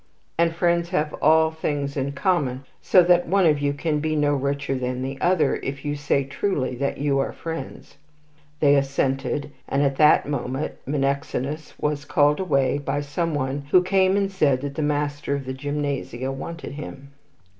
"'And friends have all things in common, so that one of you can be no richer than the other, if you say truly that you are friends.' "They assented, and at that moment Menexenus was called away by some one who came and said that the master of the gymnasia wanted him."